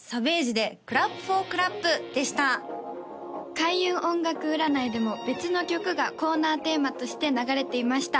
開運音楽占いでも別の曲がコーナーテーマとして流れていました